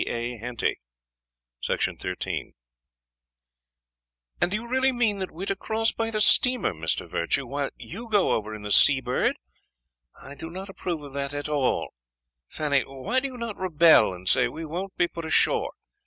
THE PATERNOSTERS "And do you really mean that we are to cross by the steamer, Mr. Virtue, while you go over in the Seabird? I do not approve of that at all. Fanny, why do you not rebel, and say we won't be put ashore?